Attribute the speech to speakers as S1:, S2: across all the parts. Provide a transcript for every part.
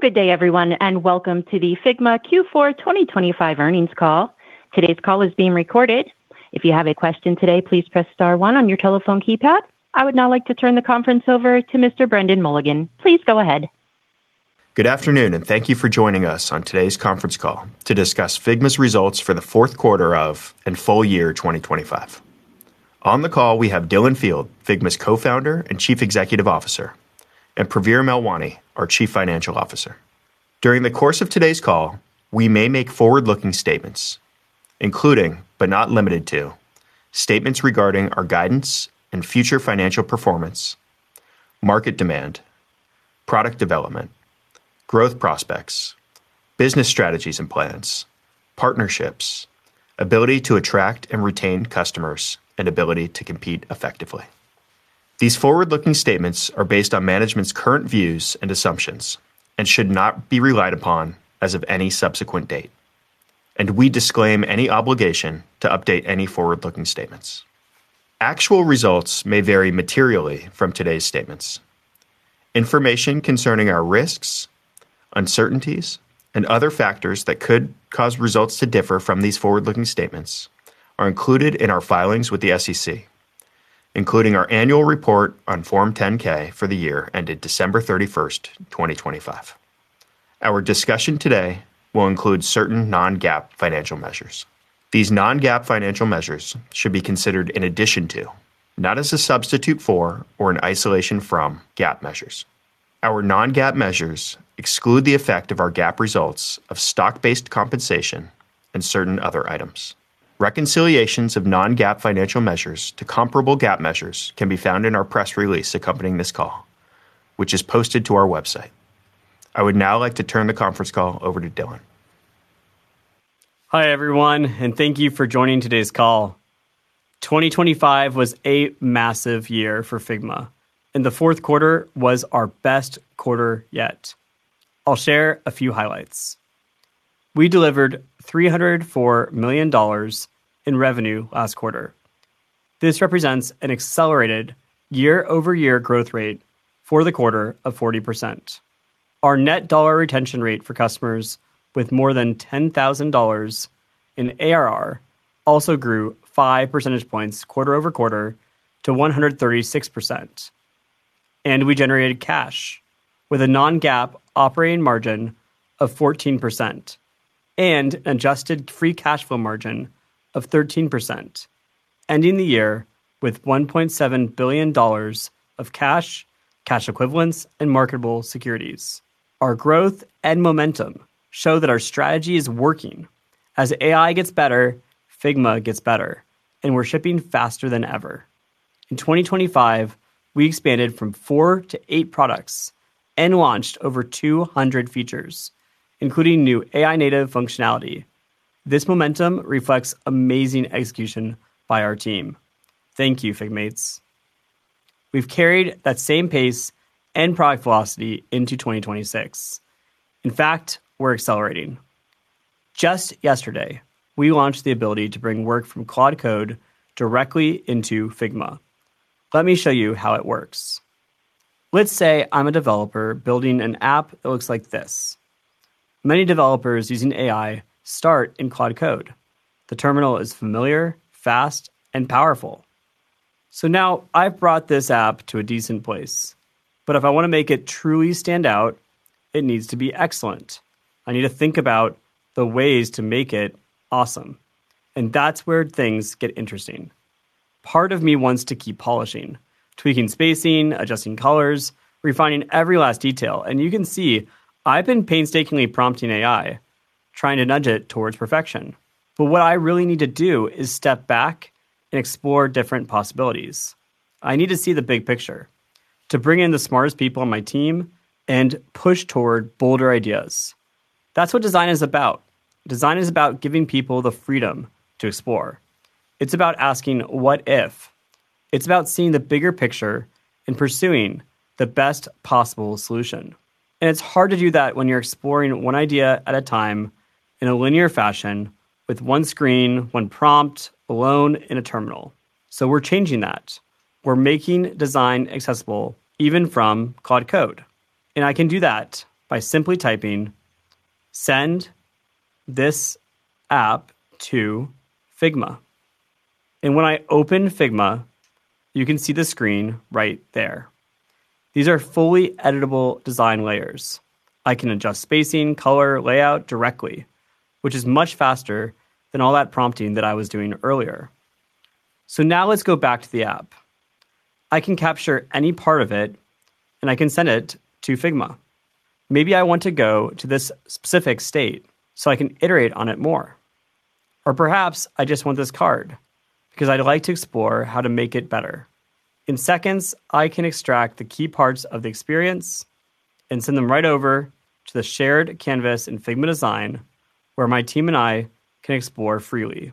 S1: Good day everyone, and welcome to the Figma Q4 2025 earnings call. Today's call is being recorded. If you have a question today, please press star one on your telephone keypad. I would now like to turn the conference over to Mr. Brendan Mulligan. Please go ahead.
S2: Good afternoon, and thank you for joining us on today's conference call to discuss Figma's results for the fourth quarter of 2025 and full year 2025. On the call, we have Dylan Field, Figma's Co-founder and Chief Executive Officer, and Praveer Melwani, our Chief Financial Officer. During the course of today's call, we may make forward-looking statements, including but not limited to, statements regarding our guidance and future financial performance, market demand, product development, growth prospects, business strategies and plans, partnerships, ability to attract and retain customers, and ability to compete effectively. These forward-looking statements are based on management's current views and assumptions and should not be relied upon as of any subsequent date. We disclaim any obligation to update any forward-looking statements. Actual results may vary materially from today's statements. Information concerning our risks, uncertainties, and other factors that could cause results to differ from these forward-looking statements are included in our filings with the SEC, including our annual report on Form 10-K for the year ended December 31st, 2025. Our discussion today will include certain non-GAAP financial measures. These non-GAAP financial measures should be considered in addition to, not as a substitute for, or in isolation from GAAP measures. Our non-GAAP measures exclude the effect of our GAAP results of stock-based compensation and certain other items. Reconciliations of non-GAAP financial measures to comparable GAAP measures can be found in our press release accompanying this call, which is posted to our website. I would now like to turn the conference call over to Dylan.
S3: Hi, everyone, and thank you for joining today's call. 2025 was a massive year for Figma, and the fourth quarter was our best quarter yet. I'll share a few highlights. We delivered $304 million in revenue last quarter. This represents an accelerated YoY growth rate for the quarter of 40%. Our net dollar retention rate for customers with more than $10,000 in ARR also grew five percentage points QoQ to 136%, and we generated cash with a non-GAAP operating margin of 14% and adjusted free cash flow margin of 13%, ending the year with $1.7 billion of cash, cash equivalents, and marketable securities. Our growth and momentum show that our strategy is working. As AI gets better, Figma gets better, and we're shipping faster than ever. In 2025, we expanded from four to eight products and launched over 200 features, including new AI-native functionality. This momentum reflects amazing execution by our team. Thank you, FigMates. We've carried that same pace and product velocity into 2026. In fact, we're accelerating. Just yesterday, we launched the ability to bring work from Claude Code directly into Figma. Let me show you how it works. Let's say I'm a developer building an app that looks like this. Many developers using AI start in Claude Code. The terminal is familiar, fast, and powerful. So now I've brought this app to a decent place. But if I want to make it truly stand out, it needs to be excellent. I need to think about the ways to make it awesome, and that's where things get interesting. Part of me wants to keep polishing, tweaking spacing, adjusting colors, refining every last detail, and you can see I've been painstakingly prompting AI, trying to nudge it towards perfection. But what I really need to do is step back and explore different possibilities. I need to see the big picture, to bring in the smartest people on my team and push toward bolder ideas. That's what design is about. Design is about giving people the freedom to explore. It's about asking, "What if?" It's about seeing the bigger picture and pursuing the best possible solution. And it's hard to do that when you're exploring one idea at a time in a linear fashion with one screen, one prompt, alone in a terminal. So we're changing that. We're making design accessible even from Claude Code, and I can do that by simply typing, "Send this app to Figma." And when I open Figma, you can see the screen right there. These are fully editable design layers. I can adjust spacing, color, layout directly, which is much faster than all that prompting that I was doing earlier. So now let's go back to the app. I can capture any part of it, and I can send it to Figma. Maybe I want to go to this specific state so I can iterate on it more. Or perhaps I just want this card because I'd like to explore how to make it better. In seconds, I can extract the key parts of the experience and send them right over to the shared canvas in Figma Design, where my team and I can explore freely.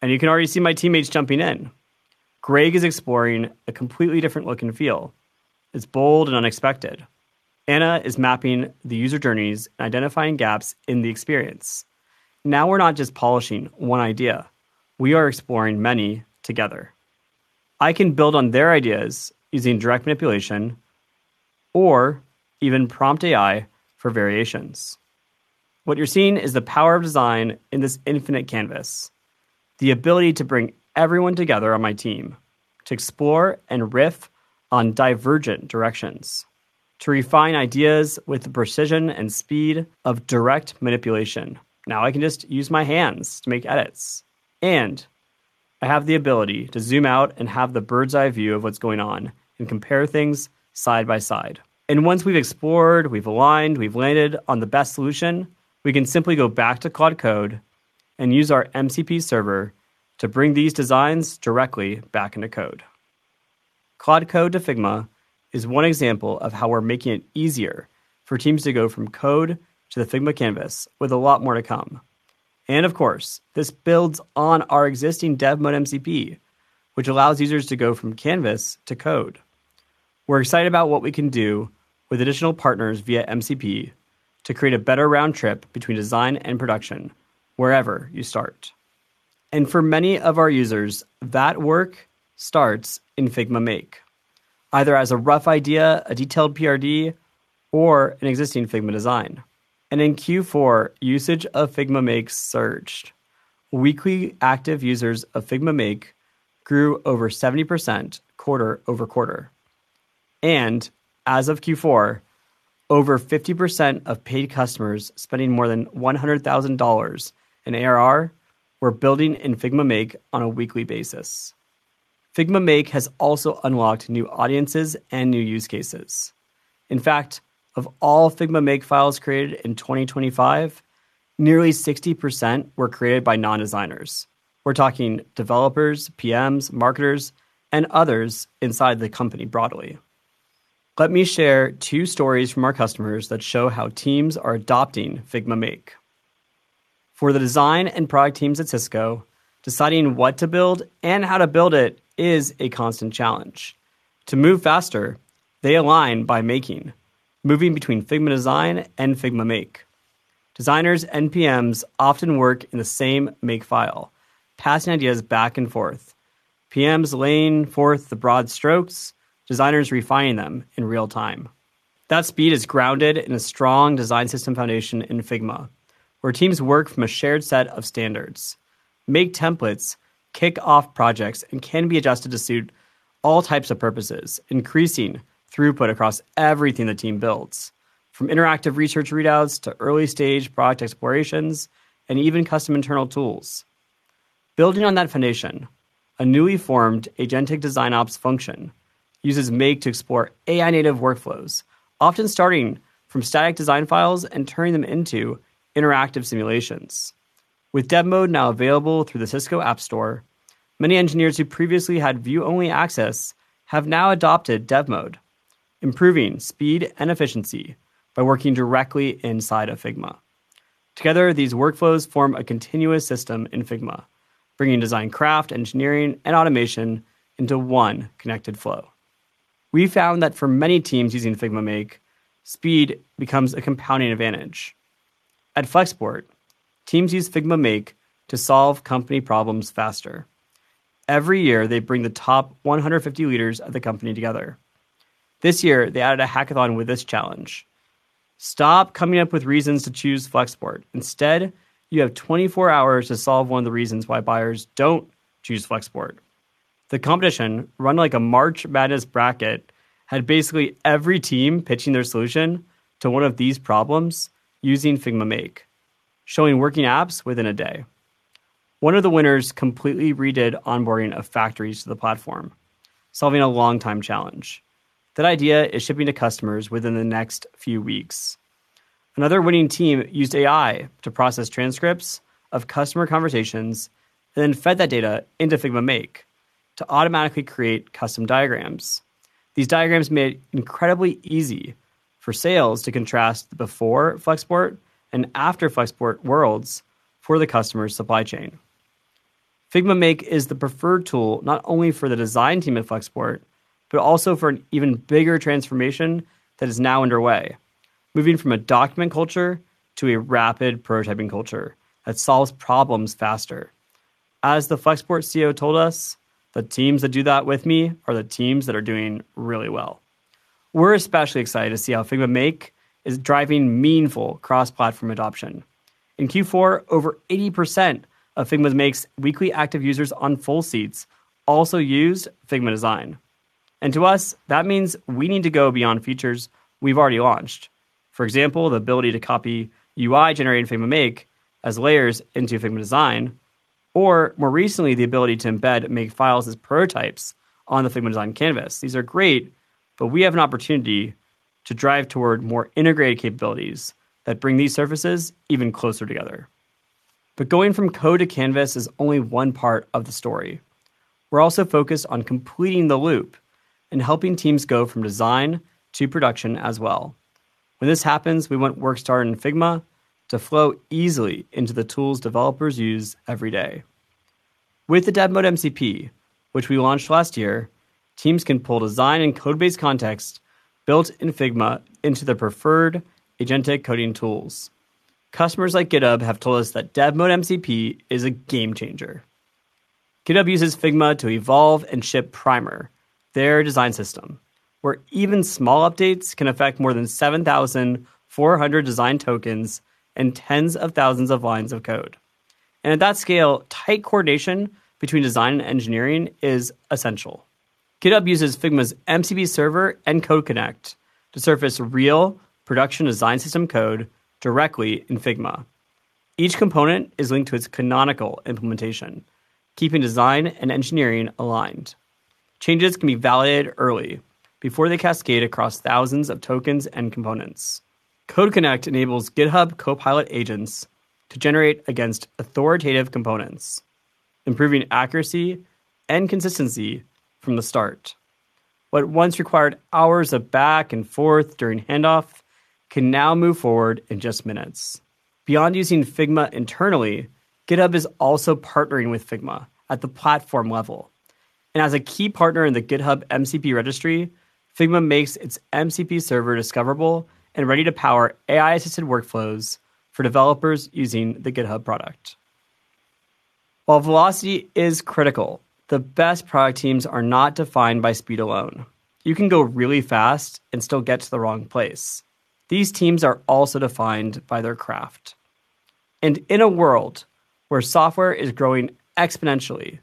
S3: And you can already see my teammates jumping in. Greg is exploring a completely different look and feel. It's bold and unexpected. Anna is mapping the user journeys and identifying gaps in the experience. Now, we're not just polishing one idea, we are exploring many together... I can build on their ideas using direct manipulation or even prompt AI for variations. What you're seeing is the power of design in this infinite canvas, the ability to bring everyone together on my team to explore and riff on divergent directions, to refine ideas with the precision and speed of direct manipulation. Now, I can just use my hands to make edits, and I have the ability to zoom out and have the bird's eye view of what's going on and compare things side by side. Once we've explored, we've aligned, we've landed on the best solution, we can simply go back to Claude Code and use our MCP server to bring these designs directly back into code. Claude Code to Figma is one example of how we're making it easier for teams to go from code to the Figma canvas, with a lot more to come. And of course, this builds on our existing Dev Mode MCP, which allows users to go from canvas to code. We're excited about what we can do with additional partners via MCP to create a better round trip between design and production wherever you start. And for many of our users, that work starts in Figma Make, either as a rough idea, a detailed PRD, or an existing Figma design. And in Q4, usage of Figma Make surged. Weekly active users of Figma Make grew over 70% QoQ, and as of Q4, over 50% of paid customers spending more than $100,000 in ARR were building in Figma Make on a weekly basis. Figma Make has also unlocked new audiences and new use cases. In fact, of all Figma Make files created in 2025, nearly 60% were created by non-designers. We're talking developers, PMs, marketers, and others inside the company broadly. Let me share two stories from our customers that show how teams are adopting Figma Make. For the design and product teams at Cisco, deciding what to build and how to build it is a constant challenge. To move faster, they align by making, moving between Figma Design and Figma Make. Designers and PMs often work in the same Make file, passing ideas back and forth. PMs laying forth the broad strokes, designers refining them in real time. That speed is grounded in a strong design system foundation in Figma, where teams work from a shared set of standards. Make templates kick off projects and can be adjusted to suit all types of purposes, increasing throughput across everything the team builds, from interactive research readouts to early stage product explorations, and even custom internal tools. Building on that foundation, a newly formed agentic DesignOps function uses Make to explore AI native workflows, often starting from static design files and turning them into interactive simulations. With Dev Mode now available through the Cisco App Store, many engineers who previously had view-only access have now adopted Dev Mode, improving speed and efficiency by working directly inside of Figma. Together, these workflows form a continuous system in Figma, bringing design, craft, engineering, and automation into one connected flow. We found that for many teams using Figma Make, speed becomes a compounding advantage. At Flexport, teams use Figma Make to solve company problems faster. Every year, they bring the top 150 leaders of the company together. This year, they added a hackathon with this challenge: "Stop coming up with reasons to choose Flexport. Instead, you have 24 hours to solve one of the reasons why buyers don't choose Flexport." The competition, run like a March Madness bracket, had basically every team pitching their solution to one of these problems using Figma Make, showing working apps within a day. One of the winners completely redid onboarding of factories to the platform, solving a long time challenge. That idea is shipping to customers within the next few weeks. Another winning team used AI to process transcripts of customer conversations, then fed that data into Figma Make to automatically create custom diagrams. These diagrams made it incredibly easy for sales to contrast the before Flexport and after Flexport worlds for the customer's supply chain. Figma Make is the preferred tool not only for the design team at Flexport, but also for an even bigger transformation that is now underway, moving from a document culture to a rapid prototyping culture that solves problems faster. As the Flexport CEO told us, "The teams that do that with me are the teams that are doing really well." We're especially excited to see how Figma Make is driving meaningful cross-platform adoption. In Q4, over 80% of Figma Make's weekly active users on full seats also used Figma Design, and to us, that means we need to go beyond features we've already launched. For example, the ability to copy UI generated in Figma Make as layers into Figma Design, or more recently, the ability to embed Make files as prototypes on the Figma Design canvas. These are great, we have an opportunity to drive toward more integrated capabilities that bring these surfaces even closer together. Going from code to canvas is only one part of the story. We're also focused on completing the loop and helping teams go from design to production as well. When this happens, we want work started in Figma to flow easily into the tools developers use every day. With the Dev Mode MCP, which we launched last year... Teams can pull design and code base context built in Figma into their preferred agentic coding tools. Customers like GitHub have told us that Dev Mode MCP is a game changer. GitHub uses Figma to evolve and ship Primer, their design system, where even small updates can affect more than 7,400 design tokens and tens of thousands of lines of code. At that scale, tight coordination between design and engineering is essential. GitHub uses Figma's MCP server and Code Connect to surface real production design system code directly in Figma. Each component is linked to its canonical implementation, keeping design and engineering aligned. Changes can be validated early before they cascade across thousands of tokens and components. Code Connect enables GitHub Copilot agents to generate against authoritative components, improving accuracy and consistency from the start. What once required hours of back and forth during handoff can now move forward in just minutes. Beyond using Figma internally, GitHub is also partnering with Figma at the platform level. As a key partner in the GitHub MCP registry, Figma makes its MCP server discoverable and ready to power AI-assisted workflows for developers using the GitHub product. While velocity is critical, the best product teams are not defined by speed alone. You can go really fast and still get to the wrong place. These teams are also defined by their craft, and in a world where software is growing exponentially,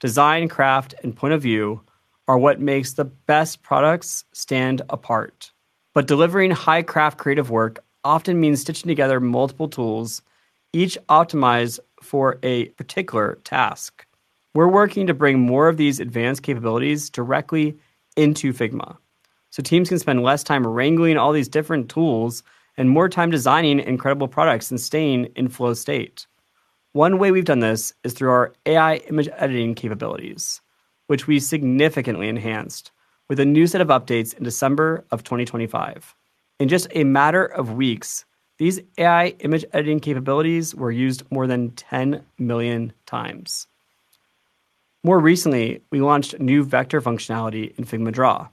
S3: design, craft, and point of view are what makes the best products stand apart. But delivering high craft creative work often means stitching together multiple tools, each optimized for a particular task. We're working to bring more of these advanced capabilities directly into Figma, so teams can spend less time wrangling all these different tools and more time designing incredible products and staying in flow state. One way we've done this is through our AI image editing capabilities, which we significantly enhanced with a new set of updates in December of 2025. In just a matter of weeks, these AI image editing capabilities were used more than 10 million times. More recently, we launched new vector functionality in Figma Draw.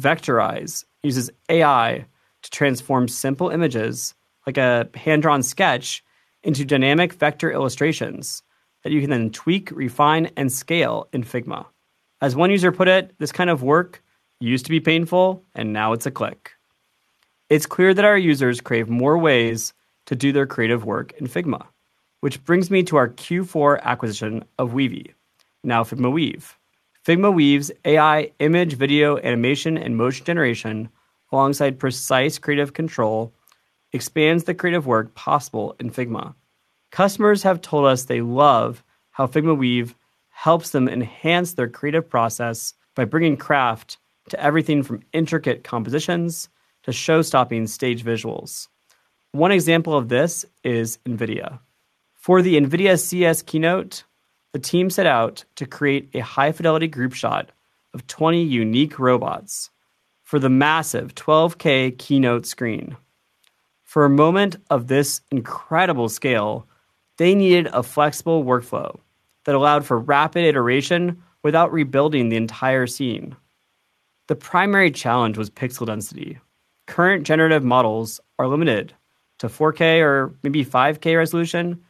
S3: Vectorize uses AI to transform simple images, like a hand-drawn sketch, into dynamic vector illustrations that you can then tweak, refine, and scale in Figma. As one user put it, "This kind of work used to be painful, and now it's a click." It's clear that our users crave more ways to do their creative work in Figma, which brings me to our Q4 acquisition of Weavy, now Figma Weave. Figma Weave's AI image, video, animation, and motion generation, alongside precise creative control, expands the creative work possible in Figma. Customers have told us they love how Figma Weave helps them enhance their creative process by bringing craft to everything from intricate compositions to show-stopping stage visuals. One example of this is NVIDIA. For the NVIDIA CES keynote, the team set out to create a high-fidelity group shot of 20 unique robots for the massive 12K keynote screen. For a moment of this incredible scale, they needed a flexible workflow that allowed for rapid iteration without rebuilding the entire scene. The primary challenge was pixel density. Current generative models are limited to 4K or maybe 5K resolution,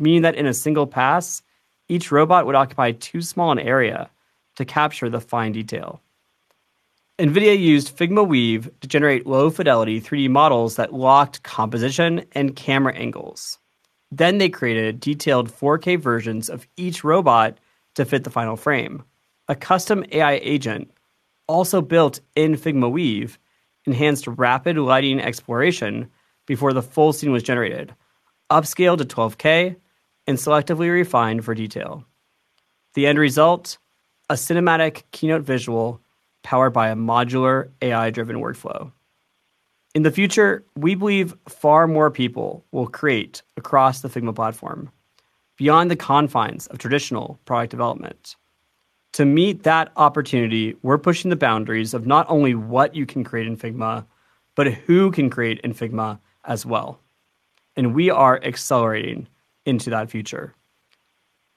S3: meaning that in a single pass, each robot would occupy too small an area to capture the fine detail. NVIDIA used Figma Weave to generate low-fidelity 3D models that locked composition and camera angles. Then they created detailed 4K versions of each robot to fit the final frame. A custom AI agent, also built in Figma Weave, enhanced rapid lighting exploration before the full scene was generated, upscaled to 12K, and selectively refined for detail. The end result, a cinematic keynote visual powered by a modular AI-driven workflow. In the future, we believe far more people will create across the Figma platform, beyond the confines of traditional product development. To meet that opportunity, we're pushing the boundaries of not only what you can create in Figma, but who can create in Figma as well, and we are accelerating into that future.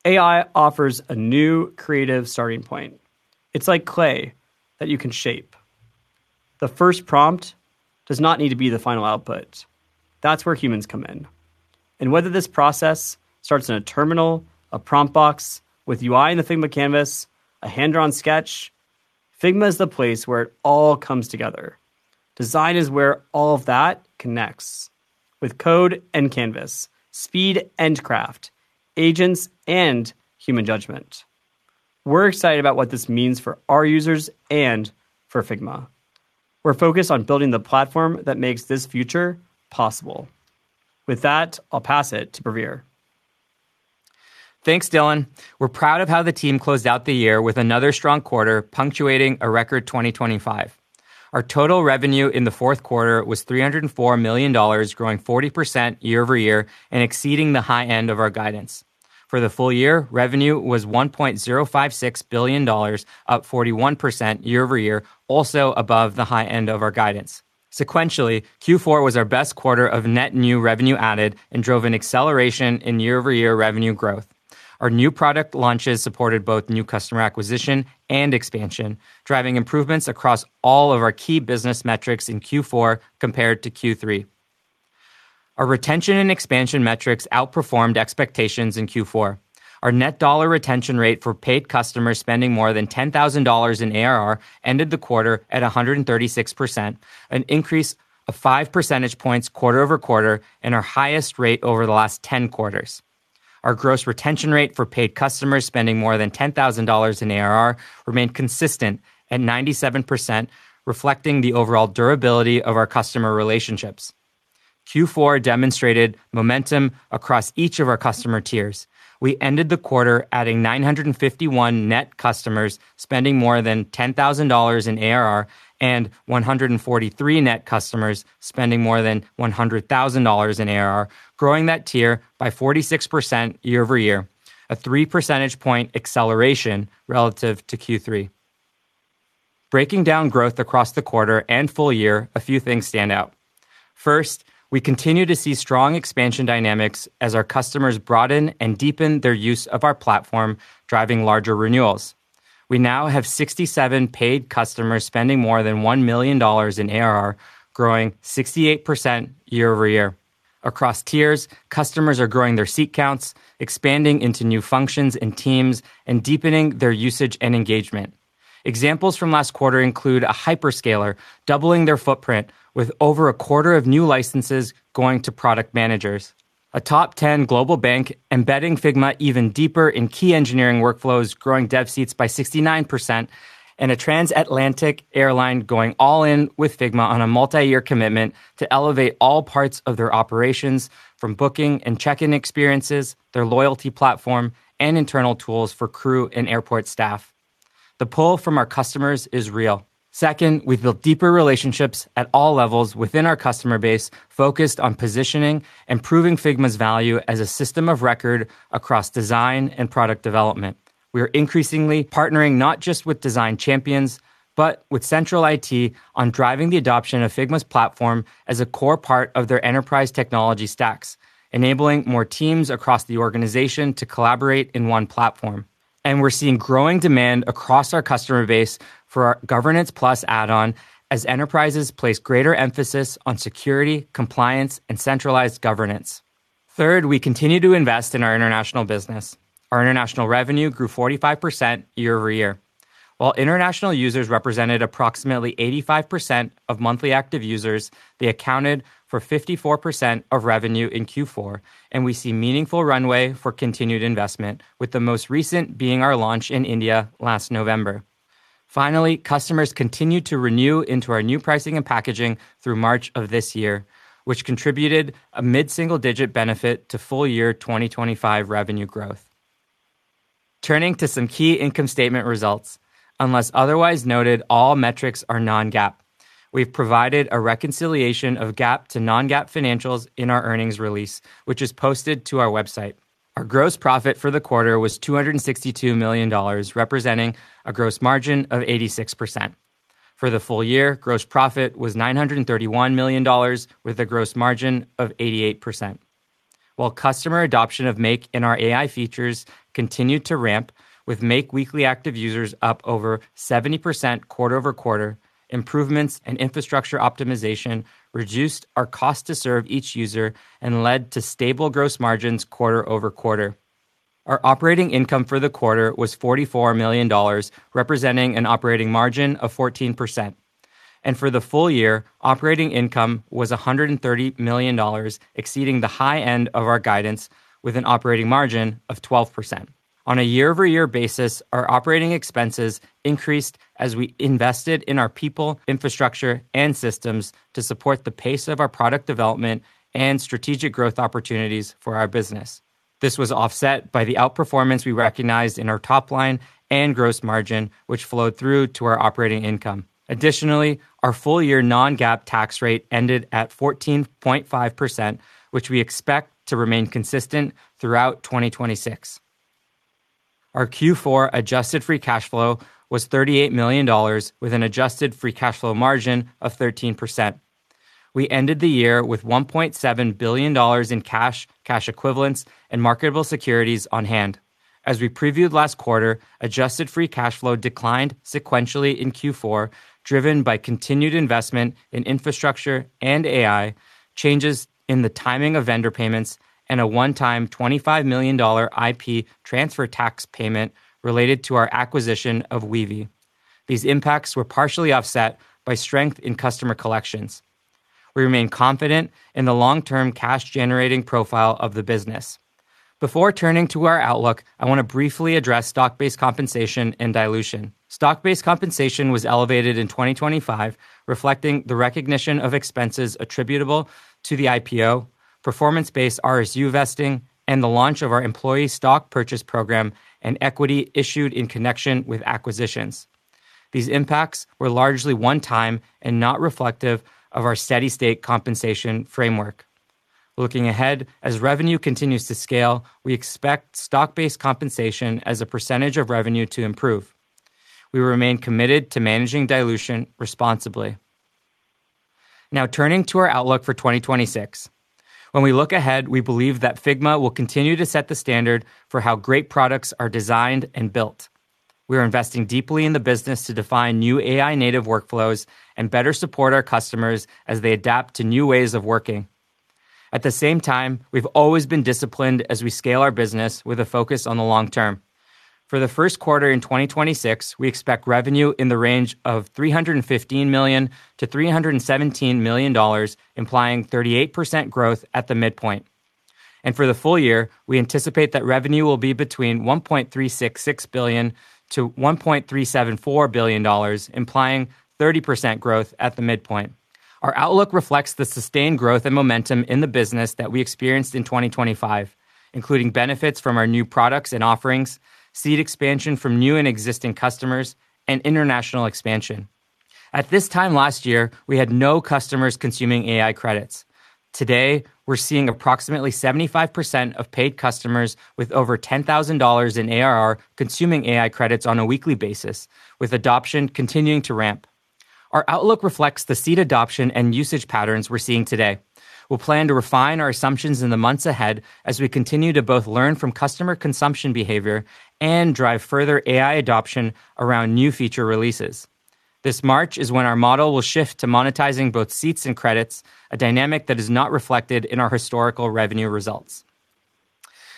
S3: AI offers a new creative starting point. It's like clay that you can shape. The first prompt does not need to be the final output. That's where humans come in. Whether this process starts in a terminal, a prompt box with UI in the Figma canvas, a hand-drawn sketch, Figma is the place where it all comes together. Design is where all of that connects, with code and canvas, speed and craft, agents and human judgment. We're excited about what this means for our users and for Figma. We're focused on building the platform that makes this future possible. With that, I'll pass it to Praveer.
S4: Thanks, Dylan. We're proud of how the team closed out the year with another strong quarter, punctuating a record 2025. Our total revenue in the fourth quarter was $304 million, growing 40% YoY and exceeding the high end of our guidance. For the full year, revenue was $1.056 billion, up 41% YoY, also above the high end of our guidance. Sequentially, Q4 was our best quarter of net new revenue added and drove an acceleration in YoY revenue growth. Our new product launches supported both new customer acquisition and expansion, driving improvements across all of our key business metrics in Q4 compared to Q3. Our retention and expansion metrics outperformed expectations in Q4. Our net dollar retention rate for paid customers spending more than $10,000 in ARR ended the quarter at 136%, an increase of five percentage points QoQ, and our highest rate over the last 10 quarters. Our gross retention rate for paid customers spending more than $10,000 in ARR remained consistent at 97%, reflecting the overall durability of our customer relationships. Q4 demonstrated momentum across each of our customer tiers. We ended the quarter adding 951 net customers, spending more than $10,000 in ARR, and 143 net customers spending more than $100,000 in ARR, growing that tier by 46% YoY, a three percentage point acceleration relative to Q3. Breaking down growth across the quarter and full year, a few things stand out. First, we continue to see strong expansion dynamics as our customers broaden and deepen their use of our platform, driving larger renewals. We now have 67 paid customers spending more than $1 million in ARR, growing 68% year over year. Across tiers, customers are growing their seat counts, expanding into new functions and teams, and deepening their usage and engagement. Examples from last quarter include a hyperscaler doubling their footprint with over a quarter of new licenses going to product managers. A top 10 global bank embedding Figma even deeper in key engineering workflows, growing dev seats by 69%, and a transatlantic airline going all in with Figma on a multi-year commitment to elevate all parts of their operations, from booking and check-in experiences, their loyalty platform, and internal tools for crew and airport staff. The pull from our customers is real. Second, we've built deeper relationships at all levels within our customer base, focused on positioning and proving Figma's value as a system of record across design and product development. We are increasingly partnering not just with design champions, but with central IT on driving the adoption of Figma's platform as a core part of their enterprise technology stacks, enabling more teams across the organization to collaborate in one platform. And we're seeing growing demand across our customer base for our Governance Plus add-on as enterprises place greater emphasis on security, compliance, and centralized governance. Third, we continue to invest in our international business. Our international revenue grew 45% YoY. While international users represented approximately 85% of monthly active users, they accounted for 54% of revenue in Q4, and we see meaningful runway for continued investment, with the most recent being our launch in India last November. Finally, customers continued to renew into our new pricing and packaging through March of this year, which contributed a mid-single-digit benefit to full year 2025 revenue growth. Turning to some key income statement results, unless otherwise noted, all metrics are non-GAAP. We've provided a reconciliation of GAAP to non-GAAP financials in our earnings release, which is posted to our website. Our gross profit for the quarter was $262 million, representing a gross margin of 86%. For the full year, gross profit was $931 million, with a gross margin of 88%. While customer adoption of Make and our AI features continued to ramp, with Make weekly active users up over 70% QoQ, improvements in infrastructure optimization reduced our cost to serve each user and led to stable gross margins QoQ. Our operating income for the quarter was $44 million, representing an operating margin of 14%, and for the full year, operating income was $130 million, exceeding the high end of our guidance with an operating margin of 12%. On a YoY basis, our operating expenses increased as we invested in our people, infrastructure, and systems to support the pace of our product development and strategic growth opportunities for our business. This was offset by the outperformance we recognized in our top line and gross margin, which flowed through to our operating income. Additionally, our full-year Non-GAAP tax rate ended at 14.5%, which we expect to remain consistent throughout 2026. Our Q4 adjusted free cash flow was $38 million, with an adjusted free cash flow margin of 13%. We ended the year with $1.7 billion in cash, cash equivalents, and marketable securities on hand. As we previewed last quarter, adjusted free cash flow declined sequentially in Q4, driven by continued investment in infrastructure and AI, changes in the timing of vendor payments, and a one-time $25 million IP transfer tax payment related to our acquisition of Weavy. These impacts were partially offset by strength in customer collections. We remain confident in the long-term cash-generating profile of the business. Before turning to our outlook, I want to briefly address stock-based compensation and dilution. Stock-based compensation was elevated in 2025, reflecting the recognition of expenses attributable to the IPO, performance-based RSU vesting, and the launch of our employee stock purchase program and equity issued in connection with acquisitions. These impacts were largely one-time and not reflective of our steady-state compensation framework. Looking ahead, as revenue continues to scale, we expect stock-based compensation as a percentage of revenue to improve. We remain committed to managing dilution responsibly.... Now turning to our outlook for 2026. When we look ahead, we believe that Figma will continue to set the standard for how great products are designed and built. We are investing deeply in the business to define new AI-native workflows and better support our customers as they adapt to new ways of working. At the same time, we've always been disciplined as we scale our business with a focus on the long term. For the first quarter in 2026, we expect revenue in the range of $315 million-$317 million, implying 38% growth at the midpoint. For the full year, we anticipate that revenue will be between $1.366 billion-$1.374 billion, implying 30% growth at the midpoint. Our outlook reflects the sustained growth and momentum in the business that we experienced in 2025, including benefits from our new products and offerings, seat expansion from new and existing customers, and international expansion. At this time last year, we had no customers consuming AI credits. Today, we're seeing approximately 75% of paid customers with over $10,000 in ARR consuming AI credits on a weekly basis, with adoption continuing to ramp. Our outlook reflects the seat adoption and usage patterns we're seeing today. We'll plan to refine our assumptions in the months ahead as we continue to both learn from customer consumption behavior and drive further AI adoption around new feature releases. This March is when our model will shift to monetizing both seats and credits, a dynamic that is not reflected in our historical revenue results.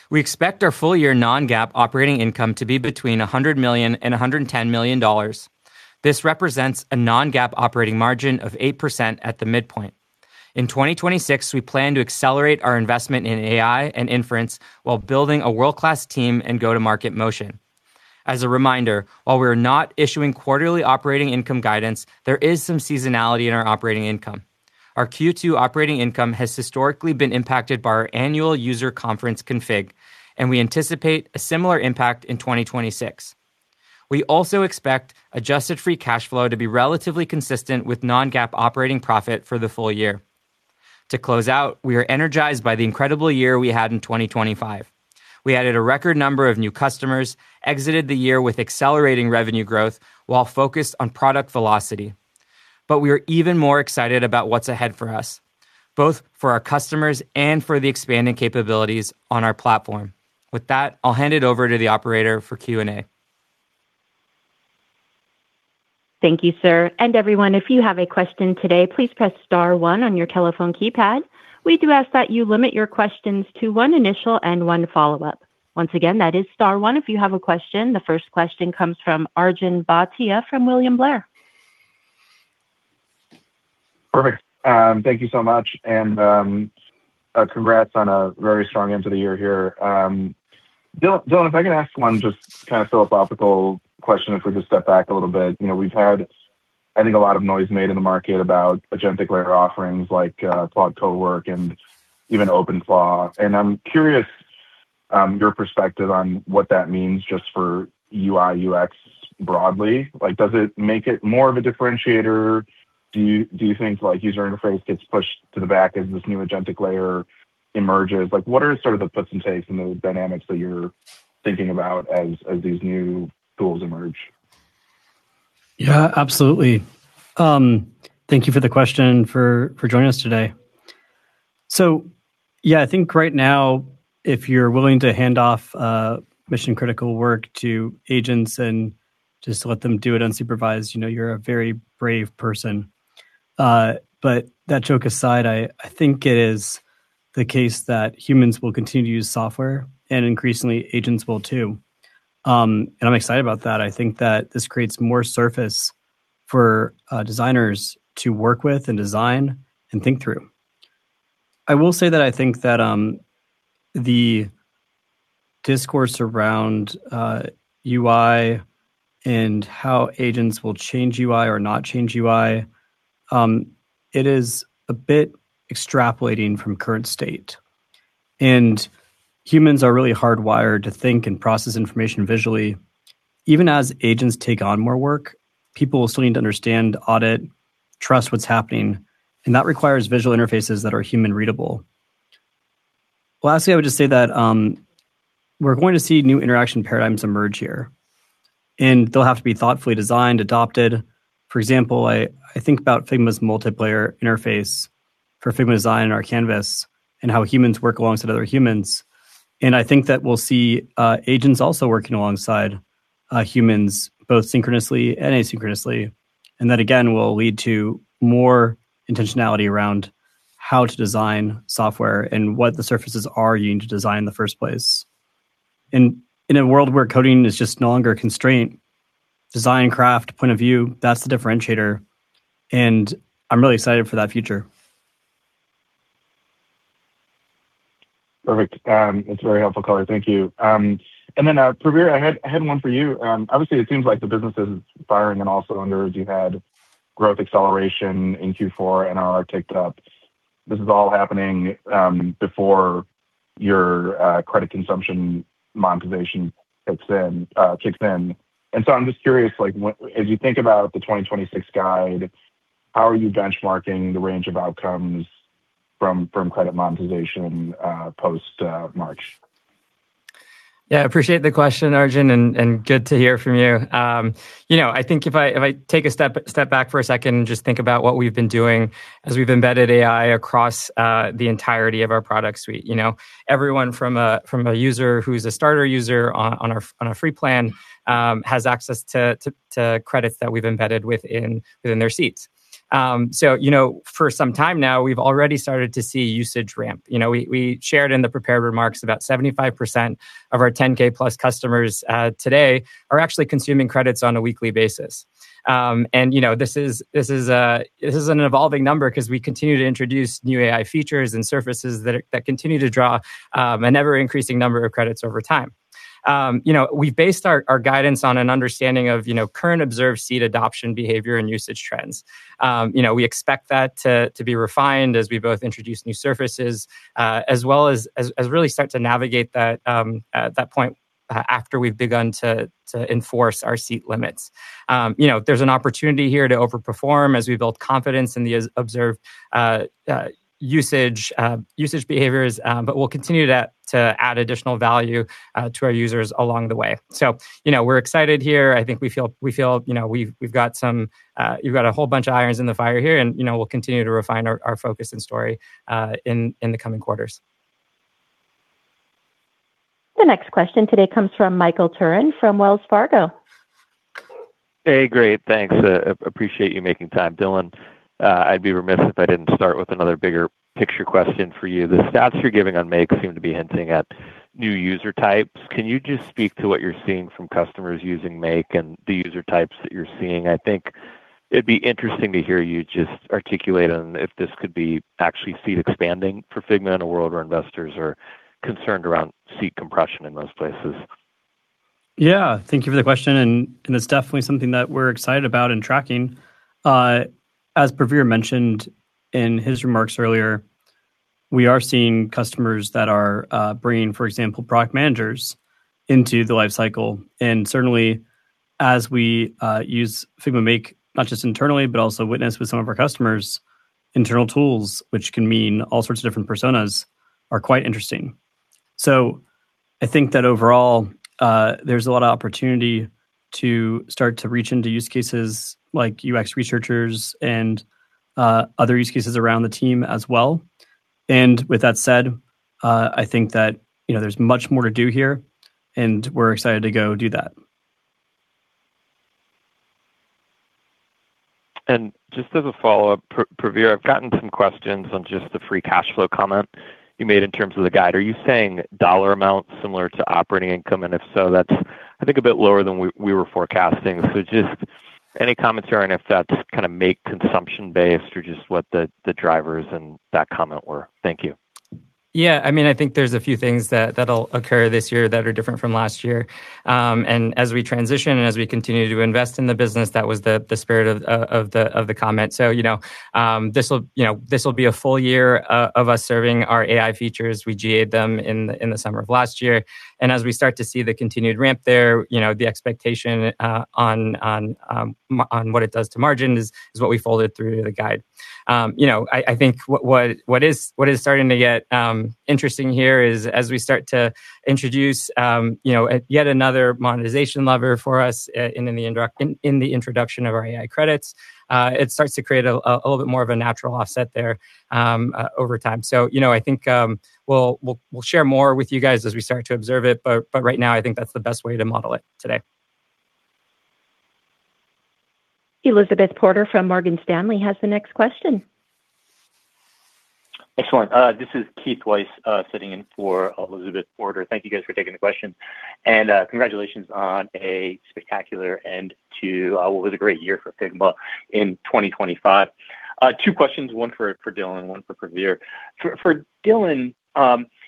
S4: We expect our full-year non-GAAP operating income to be between $100 million and $110 million. This represents a non-GAAP operating margin of 8% at the midpoint. In 2026, we plan to accelerate our investment in AI and inference while building a world-class team and go-to-market motion. As a reminder, while we are not issuing quarterly operating income guidance, there is some seasonality in our operating income. Our Q2 operating income has historically been impacted by our annual user conference Config, and we anticipate a similar impact in 2026. We also expect Adjusted Free Cash Flow to be relatively consistent with non-GAAP operating profit for the full year. To close out, we are energized by the incredible year we had in 2025. We added a record number of new customers, exited the year with accelerating revenue growth while focused on product velocity. We are even more excited about what's ahead for us, both for our customers and for the expanding capabilities on our platform. With that, I'll hand it over to the operator for Q&A.
S1: Thank you, sir. And everyone, if you have a question today, please press star one on your telephone keypad. We do ask that you limit your questions to one initial and one follow-up. Once again, that is star one if you have a question. The first question comes from Arjun Bhatia, from William Blair.
S5: Perfect. Thank you so much, and congrats on a very strong end to the year here. Dylan, if I can ask one just kind of philosophical question, if we just step back a little bit. You know, we've had, I think, a lot of noise made in the market about agentic layer offerings like Claude Code and even OpenAI, and I'm curious, your perspective on what that means just for UI, UX broadly. Like, does it make it more of a differentiator? Do you think, like, user interface gets pushed to the back as this new agentic layer emerges? Like, what are sort of the puts and takes and the dynamics that you're thinking about as these new tools emerge?
S3: Yeah, absolutely. Thank you for the question, for joining us today. So yeah, I think right now, if you're willing to hand off mission-critical work to agents and just let them do it unsupervised, you know, you're a very brave person. But that joke aside, I think it is the case that humans will continue to use software, and increasingly, agents will too. And I'm excited about that. I think that this creates more surface for designers to work with and design and think through. I will say that I think that the discourse around UI and how agents will change UI or not change UI, it is a bit extrapolating from current state, and humans are really hardwired to think and process information visually. Even as agents take on more work, people will still need to understand, audit, trust what's happening, and that requires visual interfaces that are human readable. Lastly, I would just say that we're going to see new interaction paradigms emerge here, and they'll have to be thoughtfully designed, adopted. For example, I think about Figma's multiplayer interface for Figma Design in our canvas and how humans work alongside other humans, and I think that we'll see agents also working alongside humans, both synchronously and asynchronously. And that, again, will lead to more intentionality around how to design software and what the surfaces are you need to design in the first place. And in a world where coding is just no longer a constraint, design, craft, point of view, that's the differentiator, and I'm really excited for that future.
S5: Perfect. That's very helpful color. Thank you. And then, Praveer, I had—I had one for you. Obviously, it seems like the business is firing on all cylinders. You've had growth acceleration in Q4, and ARR ticked up. This is all happening before your credit consumption monetization kicks in, kicks in. And so I'm just curious, like, what—as you think about the 2026 guide, how are you benchmarking the range of outcomes from credit monetization post March?...
S4: Yeah, I appreciate the question, Arjun, and good to hear from you. You know, I think if I take a step back for a second and just think about what we've been doing as we've embedded AI across the entirety of our product suite. You know, everyone from a user who's a starter user on our free plan has access to credits that we've embedded within their seats. So, you know, for some time now, we've already started to see usage ramp. You know, we shared in the prepared remarks about 75% of our 10-K plus customers today are actually consuming credits on a weekly basis. And, you know, this is an evolving number 'cause we continue to introduce new AI features and surfaces that continue to draw an ever-increasing number of credits over time. You know, we based our guidance on an understanding of, you know, current observed seat adoption behavior and usage trends. You know, we expect that to be refined as we both introduce new surfaces, as well as really start to navigate that, at that point, after we've begun to enforce our seat limits. You know, there's an opportunity here to overperform as we build confidence in the observed usage behaviors, but we'll continue that to add additional value to our users along the way. So, you know, we're excited here. I think we feel, we feel, you know, we've, we've got some, you've got a whole bunch of irons in the fire here, and, you know, we'll continue to refine our, our focus and story, in, in the coming quarters.
S1: The next question today comes from Michael Turrin from Wells Fargo.
S6: Hey, great. Thanks. Appreciate you making time, Dylan. I'd be remiss if I didn't start with another bigger picture question for you. The stats you're giving on Make seem to be hinting at new user types. Can you just speak to what you're seeing from customers using Make and the user types that you're seeing? I think it'd be interesting to hear you just articulate on if this could be actually seat expanding for Figma in a world where investors are concerned around seat compression in most places.
S3: Yeah, thank you for the question, and it's definitely something that we're excited about and tracking. As Praveer mentioned in his remarks earlier, we are seeing customers that are bringing, for example, product managers into the life cycle. And certainly, as we use Figma Make, not just internally, but also witness with some of our customers, internal tools, which can mean all sorts of different personas, are quite interesting. So I think that overall, there's a lot of opportunity to start to reach into use cases like UX researchers and other use cases around the team as well. And with that said, I think that, you know, there's much more to do here, and we're excited to go do that.
S6: Just as a follow-up, Praveer, I've gotten some questions on just the free cash flow comment you made in terms of the guide. Are you saying dollar amounts similar to operating income? If so, that's, I think, a bit lower than we were forecasting. So just any commentary on if that's kinda Make consumption-based or just what the drivers and that comment were. Thank you.
S4: Yeah, I mean, I think there's a few things that, that'll occur this year that are different from last year. And as we transition and as we continue to invest in the business, that was the spirit of the comment. So, you know, this will, you know, this will be a full year of us serving our AI features. We GA'd them in the summer of last year. And as we start to see the continued ramp there, you know, the expectation on what it does to margins is what we folded through the guide. You know, I think what is starting to get interesting here is as we start to introduce you know, yet another monetization lever for us, in the introduction of our AI credits, it starts to create a little bit more of a natural offset there, over time. So, you know, I think we'll share more with you guys as we start to observe it, but right now, I think that's the best way to model it today.
S1: Elizabeth Porter from Morgan Stanley has the next question.
S7: Excellent. This is Keith Weiss, sitting in for Elizabeth Porter. Thank you, guys, for taking the question. Congratulations on a spectacular end to what was a great year for Figma in 2025. Two questions, one for Dylan and one for Praveer. For Dylan,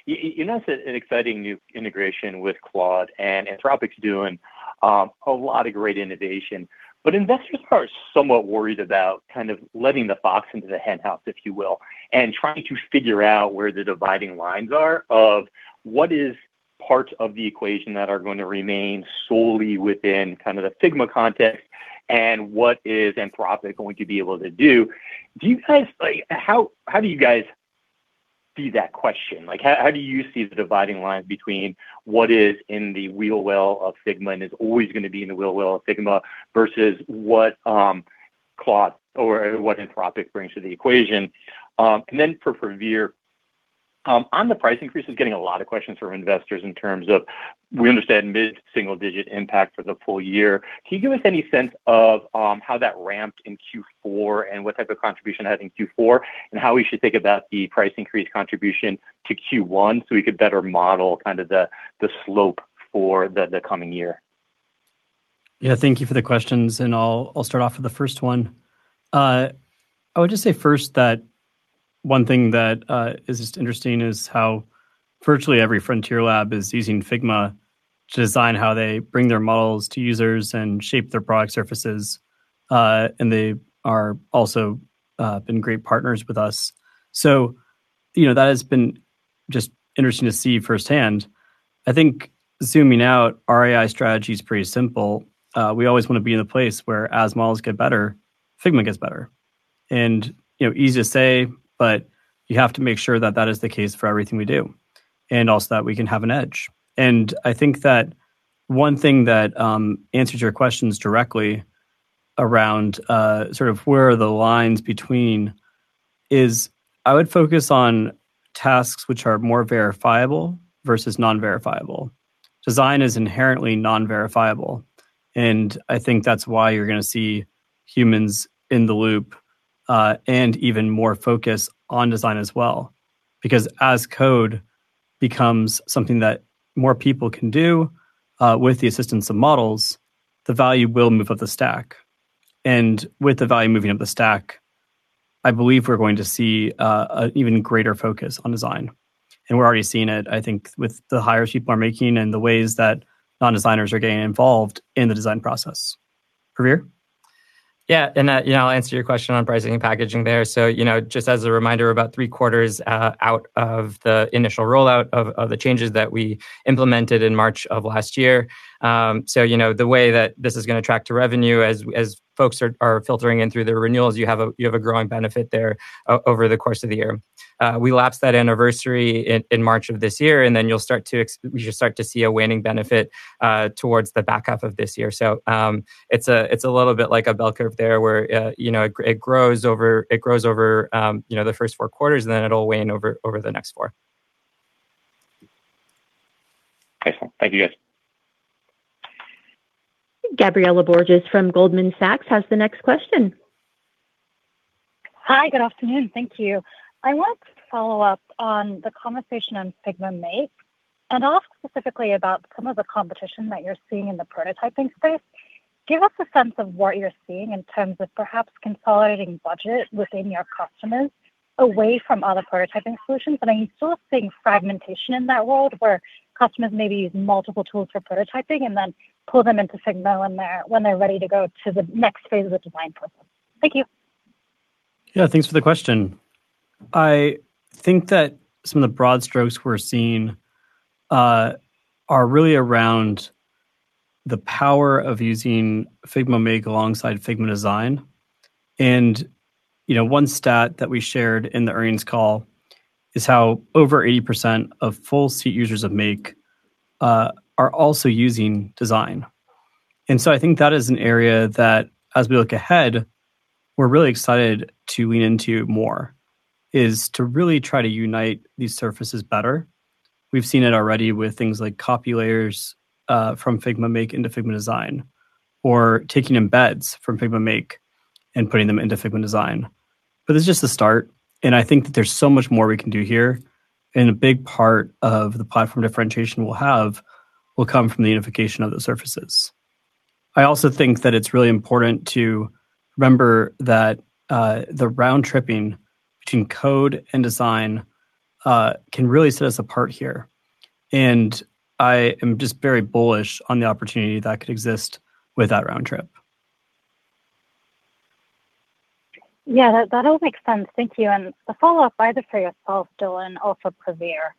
S7: you announced an exciting new integration with Claude, and Anthropic's doing a lot of great innovation. But investors are somewhat worried about kind of letting the fox into the henhouse, if you will, and trying to figure out where the dividing lines are, of what is part of the equation that are going to remain solely within kind of the Figma context, and what is Anthropic going to be able to do? Do you guys... Like, how do you guys see that question? Like, how, how do you see the dividing line between what is in the wheelhouse of Figma and is always gonna be in the wheelhouse of Figma versus what Claude or what Anthropic brings to the equation? And then for Praveer, on the price increases, getting a lot of questions from investors in terms of we understand mid-single-digit impact for the full year. Can you give us any sense of how that ramped in Q4 and what type of contribution it had in Q4, and how we should think about the price increase contribution to Q1 so we could better model kind of the slope for the coming year?
S3: Yeah, thank you for the questions, and I'll, I'll start off with the first one. I would just say first that one thing that is just interesting is how virtually every frontier lab is using Figma to design how they bring their models to users and shape their product surfaces, and they are also been great partners with us. So, you know, that has been just interesting to see firsthand. I think zooming out, our AI strategy is pretty simple. We always wanna be in a place where as models get better, Figma gets better... and, you know, easy to say, but you have to make sure that that is the case for everything we do, and also that we can have an edge. I think that one thing that answers your questions directly around sort of where are the lines between is I would focus on tasks which are more verifiable versus non-verifiable. Design is inherently non-verifiable, and I think that's why you're gonna see humans in the loop and even more focus on design as well. Because as code becomes something that more people can do with the assistance of models, the value will move up the stack. And with the value moving up the stack, I believe we're going to see an even greater focus on design, and we're already seeing it, I think, with the hires people are making and the ways that non-designers are getting involved in the design process. Praveer?
S4: Yeah, and that. Yeah, I'll answer your question on pricing and packaging there. So, you know, just as a reminder, we're about three quarters out of the initial rollout of the changes that we implemented in March of last year. So, you know, the way that this is gonna track to revenue as folks are filtering in through the renewals, you have a growing benefit there over the course of the year. We lapsed that anniversary in March of this year, and then you'll start to see a waning benefit towards the back half of this year. So, it's a little bit like a bell curve there, where you know, it grows over the first four quarters, and then it'll wane over the next four.
S7: Excellent. Thank you, guys.
S1: Gabriela Borges from Goldman Sachs has the next question.
S8: Hi, good afternoon. Thank you. I want to follow up on the conversation on Figma Make and ask specifically about some of the competition that you're seeing in the prototyping space. Give us a sense of what you're seeing in terms of perhaps consolidating budget within your customers away from other prototyping solutions. But are you still seeing fragmentation in that world, where customers may be using multiple tools for prototyping and then pull them into Figma when they're, when they're ready to go to the next phase of the design process? Thank you.
S3: Yeah, thanks for the question. I think that some of the broad strokes we're seeing are really around the power of using Figma Make alongside Figma Design. And, you know, one stat that we shared in the earnings call is how over 80% of full seat users of Make are also using Design. I think that is an area that, as we look ahead, we're really excited to lean into more, is to really try to unite these surfaces better. We've seen it already with things like copy layers from Figma Make into Figma Design, or taking embeds from Figma Make and putting them into Figma Design. This is just the start, and I think that there's so much more we can do here, and a big part of the platform differentiation we'll have will come from the unification of those surfaces. I also think that it's really important to remember that, the round-tripping between code and design, can really set us apart here, and I am just very bullish on the opportunity that could exist with that round trip.
S8: Yeah, that, that all makes sense. Thank you. A follow-up, either for yourself, Dylan, or for Praveer.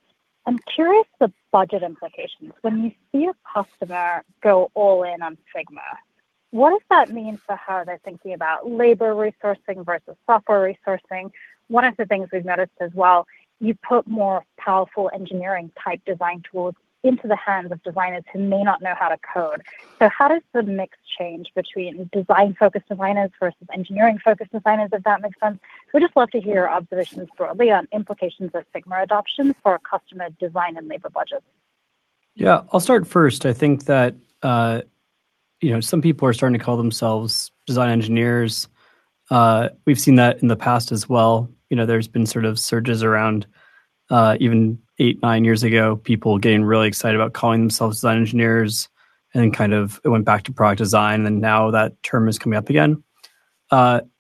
S8: I'm curious the budget implications. When you see a customer go all in on Figma, what does that mean for how they're thinking about labor resourcing versus software resourcing? One of the things we've noticed as well, you put more powerful engineering-type design tools into the hands of designers who may not know how to code. So how does the mix change between design-focused designers versus engineering-focused designers, if that makes sense? We'd just love to hear your observations broadly on implications of Figma adoptions for our customer design and labor budgets.
S3: Yeah, I'll start first. I think that, you know, some people are starting to call themselves design engineers. We've seen that in the past as well. You know, there's been sort of surges around, even eight, nine years ago, people getting really excited about calling themselves design engineers, and then kind of it went back to product design, and now that term is coming up again.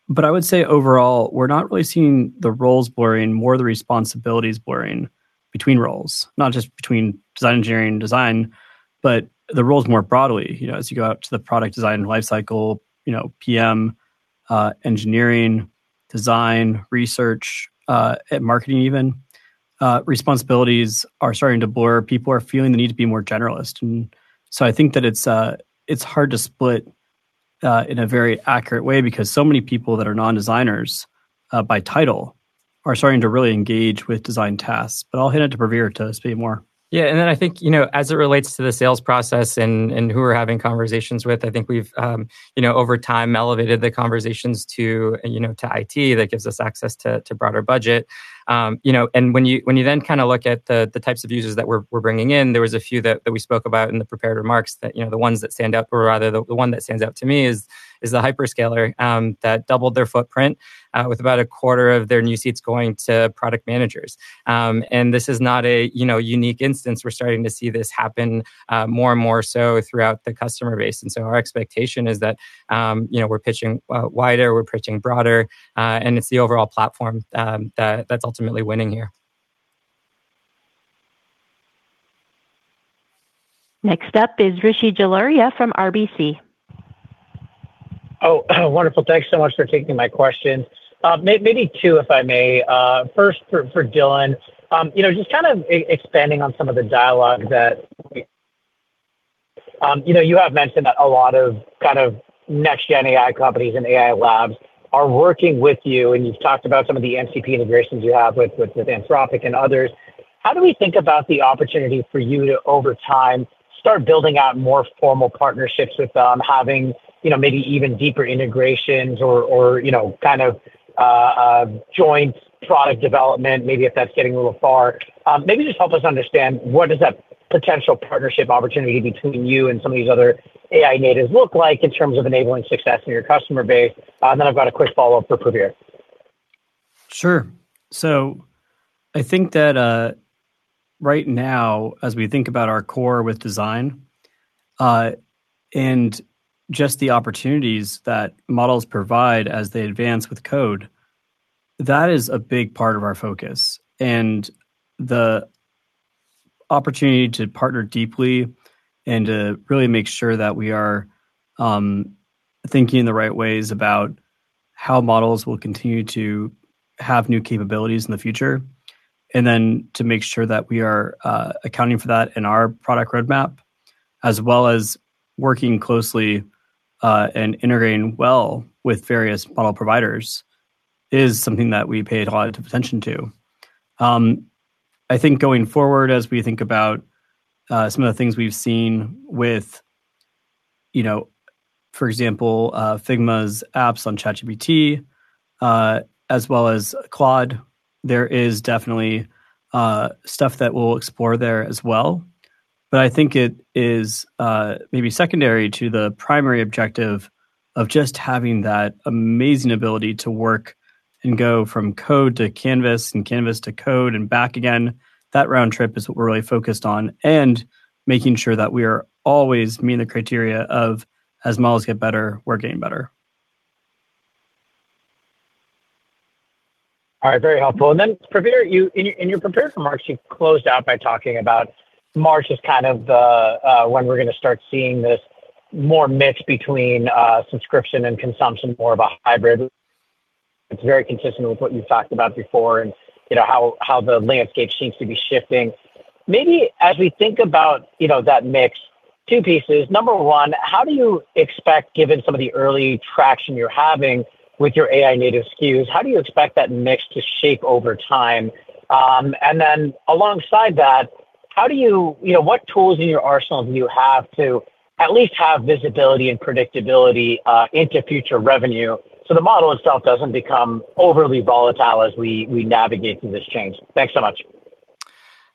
S3: But I would say overall, we're not really seeing the roles blurring, more the responsibilities blurring between roles. Not just between design engineering and design, but the roles more broadly. You know, as you go out to the product design lifecycle, you know, PM, engineering, design, research, and marketing even, responsibilities are starting to blur. People are feeling the need to be more generalist, and so I think that it's hard to split in a very accurate way, because so many people that are non-designers, by title, are starting to really engage with design tasks. But I'll hand it to Praveer to speak more.
S4: Yeah, and then I think, you know, as it relates to the sales process and who we're having conversations with, I think we've, you know, over time, elevated the conversations to, you know, to IT, that gives us access to broader budget. You know, and when you then kinda look at the types of users that we're bringing in, there was a few that we spoke about in the prepared remarks that, you know, the ones that stand out or rather, the one that stands out to me is the hyperscaler that doubled their footprint with about a quarter of their new seats going to product managers. And this is not a, you know, unique instance. We're starting to see this happen more and more so throughout the customer base. And so our expectation is that, you know, we're pitching wider, we're pitching broader, and it's the overall platform that that's ultimately winning here.
S1: Next up is Rishi Jaluria from RBC.
S9: Oh, wonderful. Thanks so much for taking my question. Maybe two, if I may. First for Dylan. You know, just kind of expanding on some of the dialogue that... You know, you have mentioned that a lot of kind of next-gen AI companies and AI labs are working with you, and you've talked about some of the MCP integrations you have with Anthropic and others. How do we think about the opportunity for you to, over time, start building out more formal partnerships with, having, you know, maybe even deeper integrations or, you know, kind of, a joint product development? Maybe if that's getting a little far, maybe just help us understand what does that potential partnership opportunity between you and some of these other AI natives look like in terms of enabling success in your customer base? Then I've got a quick follow-up for Praveer.
S3: Sure. So I think that, right now, as we think about our core with design, and just the opportunities that models provide as they advance with code, that is a big part of our focus. And the opportunity to partner deeply and to really make sure that we are, thinking in the right ways about how models will continue to have new capabilities in the future, and then to make sure that we are, accounting for that in our product roadmap, as well as working closely, and integrating well with various model providers, is something that we paid a lot of attention to. I think going forward, as we think about, some of the things we've seen with, you know, for example, Figma's apps on ChatGPT, as well as Claude, there is definitely, stuff that we'll explore there as well. But I think it is, maybe secondary to the primary objective of just having that amazing ability to work and go from code to canvas and canvas to code and back again. That round trip is what we're really focused on, and making sure that we are always meeting the criteria of as models get better, we're getting better.
S9: All right. Very helpful. And then Praveer, you—in your prepared remarks, you closed out by talking about March is kind of the when we're going to start seeing this more mix between subscription and consumption, more of a hybrid. It's very consistent with what you've talked about before and, you know, how the landscape seems to be shifting. Maybe as we think about, you know, that mix, two pieces. Number one, how do you expect, given some of the early traction you're having with your AI native SKUs, how do you expect that mix to shape over time? And then alongside that, how do you... You know, what tools in your arsenal do you have to at least have visibility and predictability into future revenue, so the model itself doesn't become overly volatile as we navigate through this change? Thanks so much.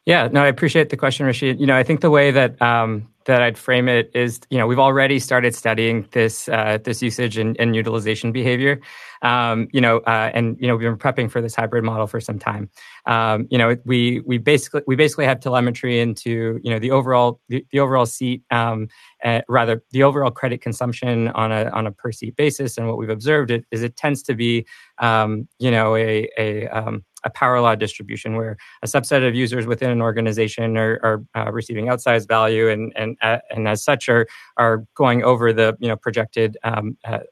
S4: Yeah. No, I appreciate the question, Rishi. You know, I think the way that that I'd frame it is, you know, we've already started studying this this usage and utilization behavior. You know, we've been prepping for this hybrid model for some time. You know, we basically have telemetry into the overall seat rather the overall credit consumption on a per seat basis. And what we've observed is it tends to be, you know, a power law distribution, where a subset of users within an organization are receiving outsized value, and as such, are going over the projected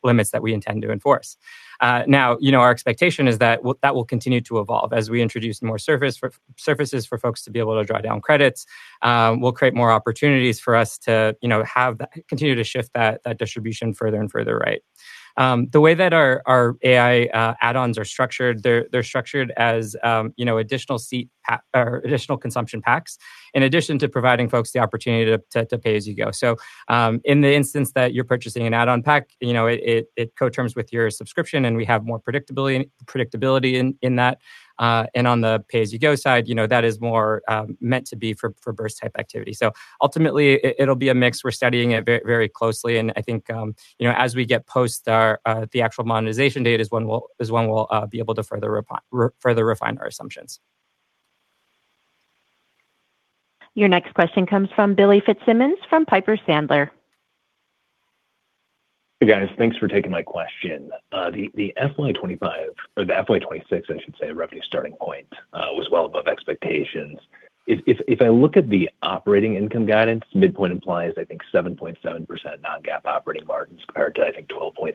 S4: limits that we intend to enforce. Now, you know, our expectation is that, well, that will continue to evolve. As we introduce more surface for surfaces for folks to be able to draw down credits, we'll create more opportunities for us to, you know, have that continue to shift that distribution further and further right. The way that our AI add-ons are structured, they're structured as, you know, additional seat pack, additional consumption packs, in addition to providing folks the opportunity to pay as you go. So, in the instance that you're purchasing an add-on pack, you know, it co-terms with your subscription, and we have more predictability in that. And on the pay-as-you-go side, you know, that is more meant to be for burst type activity. So ultimately, it'll be a mix. We're studying it very, very closely, and I think, you know, as we get past the actual monetization date is when we'll be able to further refine our assumptions.
S1: Your next question comes from Billy Fitzsimmons from Piper Sandler.
S10: Hey, guys. Thanks for taking my question. The FY 2025 or the FY 2026, I should say, revenue starting point was well above expectations. If I look at the operating income guidance, midpoint implies, I think, 7.7% non-GAAP operating margins, compared to, I think, 12.3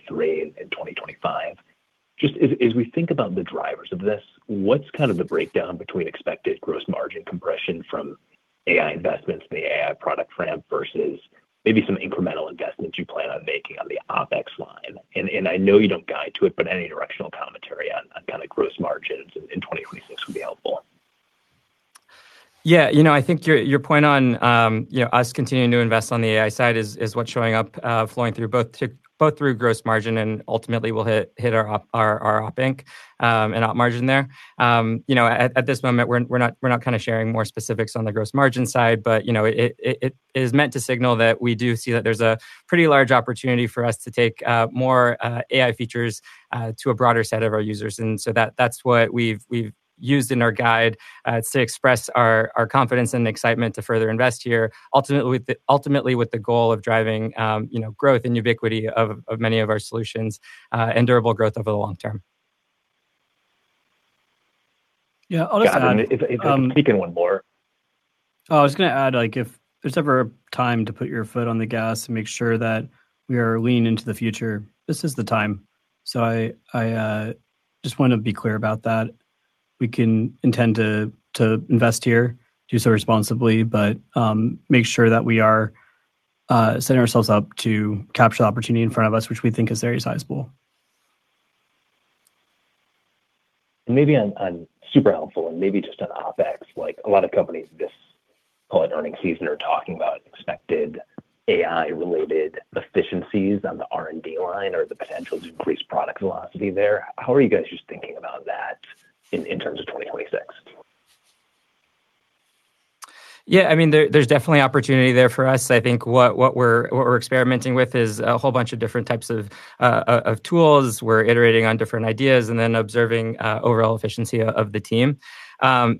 S10: in 2025. Just as we think about the drivers of this, what's kind of the breakdown between expected gross margin compression from AI investments in the AI product ramp, versus maybe some incremental investments you plan on making on the OpEx line? And I know you don't guide to it, but any directional commentary on kind of gross margins in 2026 would be helpful.
S4: Yeah, you know, I think your point on, you know, us continuing to invest on the AI side is what's showing up, flowing through both through—both through gross margin and ultimately will hit our Op, our OpInc, and Op margin there. You know, at this moment, we're not, we're not kind of sharing more specifics on the gross margin side, but, you know, it is meant to signal that we do see that there's a pretty large opportunity for us to take more AI features to a broader set of our users. That's what we've used in our guide to express our confidence and excitement to further invest here, ultimately with the goal of driving, you know, growth and ubiquity of many of our solutions, and durable growth over the long term.
S3: Yeah, I'll just add-
S10: Got it. If I can take in one more.
S3: Oh, I was gonna add, like, if there's ever a time to put your foot on the gas and make sure that we are leaning into the future, this is the time. So I, I, just want to be clear about that. We can intend to, to invest here, do so responsibly, but make sure that we are setting ourselves up to capture the opportunity in front of us, which we think is very sizable.
S10: Maybe I'm super helpful and maybe just on OpEx, like a lot of companies this call it earnings season, are talking about expected AI-related efficiencies on the R&D line or the potential to increase product velocity there. How are you guys just thinking about that in terms of 2026?
S4: Yeah, I mean, there's definitely opportunity there for us. I think what we're experimenting with is a whole bunch of different types of tools. We're iterating on different ideas and then observing overall efficiency of the team.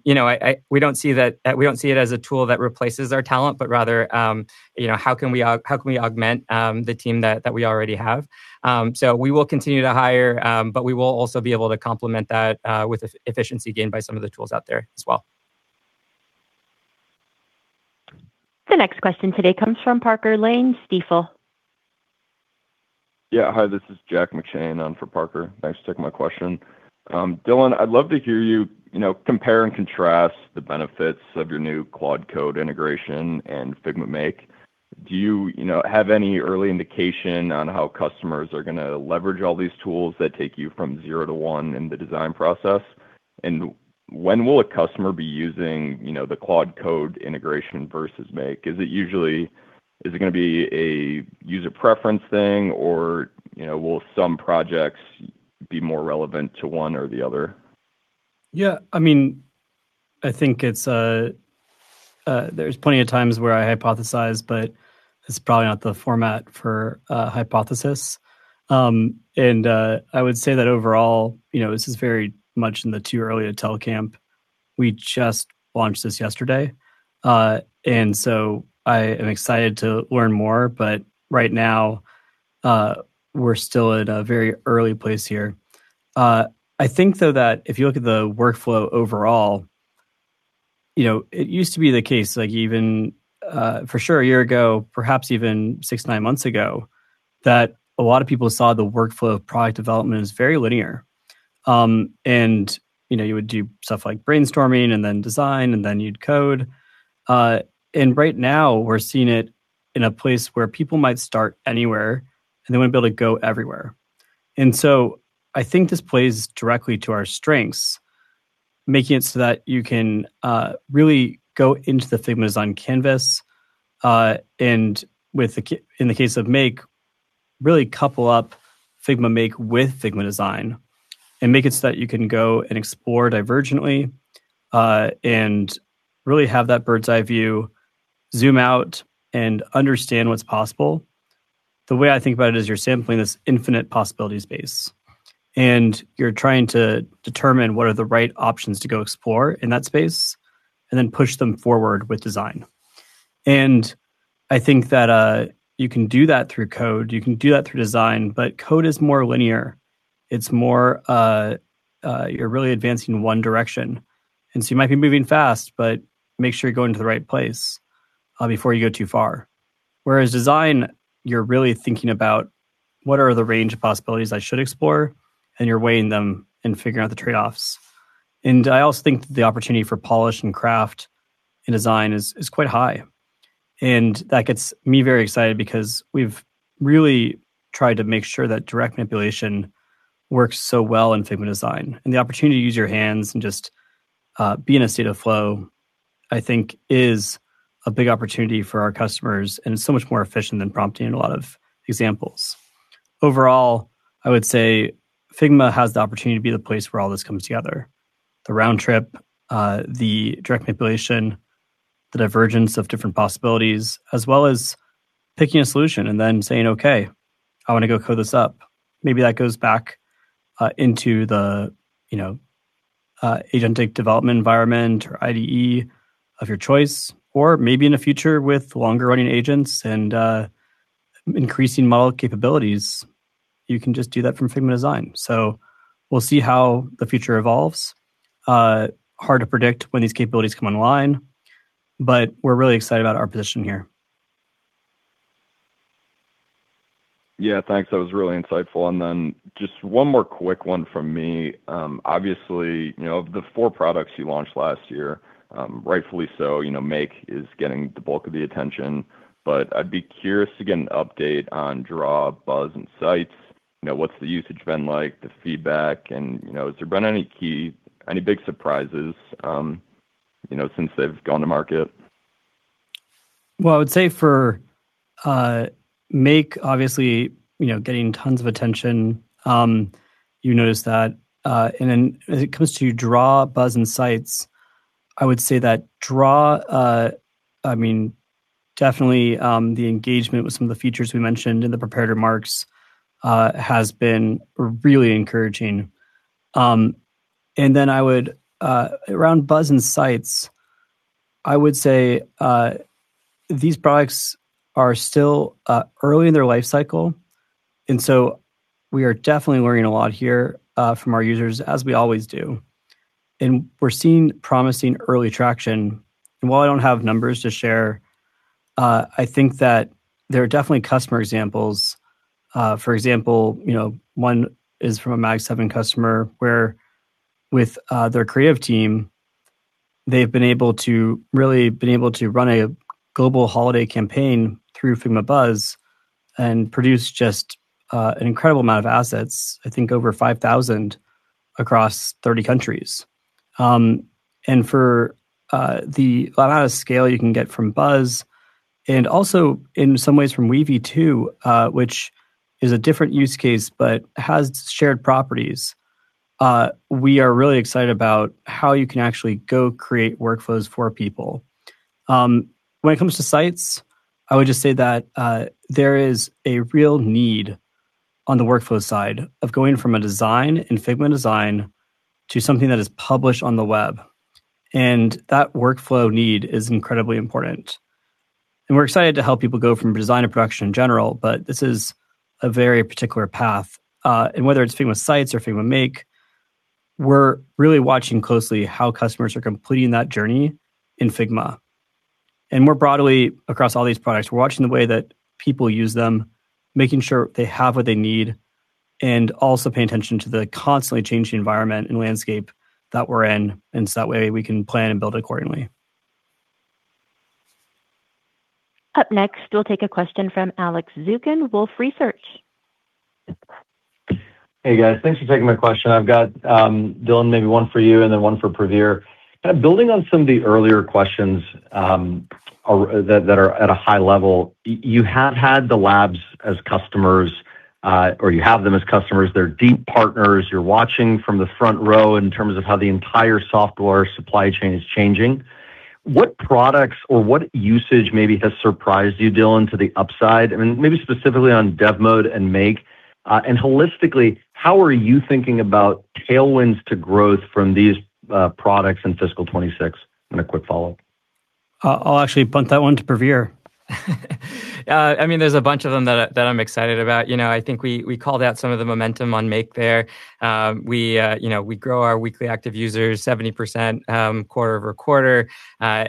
S4: You know, we don't see it as a tool that replaces our talent, but rather, you know, how can we augment the team that we already have? So we will continue to hire, but we will also be able to complement that with efficiency gained by some of the tools out there as well.
S1: The next question today comes from Parker Lane, Stifel.
S11: Yeah. Hi, this is Jack McShane on for Parker. Thanks for taking my question. Dylan, I'd love to hear you, you know, compare and contrast the benefits of your new Claude Code integration and Figma Make. Do you, you know, have any early indication on how customers are gonna leverage all these tools that take you from zero to one in the design process? And when will a customer be using, you know, the Claude Code integration versus Make? Is it usually... Is it gonna be a user preference thing, or, you know, will some projects be more relevant to one or the other?
S3: Yeah, I mean, I think it's, there's plenty of times where I hypothesize, but it's probably not the format for, hypothesis. And I would say that overall, you know, this is very much in the too early to tell camp. We just launched this yesterday, and so I am excited to learn more, but right now, we're still at a very early place here. I think, though, that if you look at the workflow overall, you know, it used to be the case, like even, for sure a year ago, perhaps even six, nine months ago, that a lot of people saw the workflow of product development as very linear. And, you know, you would do stuff like brainstorming and then design, and then you'd code. And right now we're seeing it in a place where people might start anywhere, and they want to be able to go everywhere. And so I think this plays directly to our strengths, making it so that you can really go into the Figma Design canvas, and in the case of Make, really couple up Figma Make with Figma Design, and make it so that you can go and explore divergently, and really have that bird's-eye view, zoom out, and understand what's possible. The way I think about it is you're sampling this infinite possibility space, and you're trying to determine what are the right options to go explore in that space, and then push them forward with design. And I think that you can do that through code, you can do that through design, but code is more linear. It's more, you're really advancing one direction, and so you might be moving fast, but make sure you're going to the right place, before you go too far. Whereas design, you're really thinking about what are the range of possibilities I should explore, and you're weighing them and figuring out the trade-offs. And I also think the opportunity for polish and craft in design is quite high. And that gets me very excited because we've really tried to make sure that direct manipulation works so well in Figma Design. And the opportunity to use your hands and just, be in a state of flow, I think is a big opportunity for our customers, and it's so much more efficient than prompting a lot of examples. Overall, I would say Figma has the opportunity to be the place where all this comes together. The round trip, the direct manipulation, the divergence of different possibilities, as well as picking a solution and then saying, "Okay, I want to go code this up." Maybe that goes back into the you know agentic development environment or IDE of your choice, or maybe in the future with longer-running agents and increasing model capabilities, you can just do that from Figma Design. So we'll see how the future evolves. Hard to predict when these capabilities come online, but we're really excited about our position here.
S11: Yeah, thanks. That was really insightful. Then just one more quick one from me. Obviously, you know, of the four products you launched last year, rightfully so, you know, Make is getting the bulk of the attention, but I'd be curious to get an update on Draw, Buzz, and Sites. You know, what's the usage been like, the feedback, and, you know, has there been any key, any big surprises, you know, since they've gone to market?
S3: Well, I would say for Make, obviously, you know, getting tons of attention, you notice that, and then as it comes to Draw, Buzz, and Sites, I would say that Draw, I mean, definitely, the engagement with some of the features we mentioned in the prepared remarks has been really encouraging. And then I would... Around Buzz and Sites, I would say, these products are still early in their life cycle, and so we are definitely learning a lot here from our users, as we always do, and we're seeing promising early traction. And while I don't have numbers to share... I think that there are definitely customer examples. For example, you know, one is from a Mag 7 customer, where with their creative team, they've been able to really been able to run a global holiday campaign through Figma Buzz and produce just an incredible amount of assets, I think over 5,000 across 30 countries. For the amount of scale you can get from Buzz, and also in some ways from Weavy too, which is a different use case but has shared properties, we are really excited about how you can actually go create workflows for people. When it comes to sites, I would just say that there is a real need on the workflow side of going from a design in Figma Design to something that is published on the web, and that workflow need is incredibly important. We're excited to help people go from design to production in general, but this is a very particular path. Whether it's Figma Sites or Figma Make, we're really watching closely how customers are completing that journey in Figma. More broadly, across all these products, we're watching the way that people use them, making sure they have what they need, and also paying attention to the constantly changing environment and landscape that we're in, and so that way, we can plan and build accordingly.
S1: Up next, we'll take a question from Alex Zukin, Wolfe Research.
S12: Hey, guys. Thanks for taking my question. I've got, Dylan, maybe one for you and then one for Praveer. Building on some of the earlier questions, that are at a high level, you have had the labs as customers, or you have them as customers. They're deep partners. You're watching from the front row in terms of how the entire software supply chain is changing. What products or what usage maybe has surprised you, Dylan, to the upside? I mean, maybe specifically on DevMode and Make. And holistically, how are you thinking about tailwinds to growth from these, products in fiscal 2026? And a quick follow-up.
S3: I'll actually punt that one to Praveer.
S4: I mean, there's a bunch of them that I, that I'm excited about. You know, I think we called out some of the momentum on Make there. You know, we grow our weekly active users 70% QoQ,